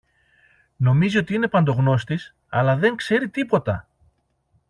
Νομίζει ότι είναι παντογνώστης, αλλά δεν ξέρει τίποτα!